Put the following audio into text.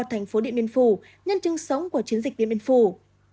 thành phố điện biên phủ nhân chứng sống của chiến dịch điện biên phủ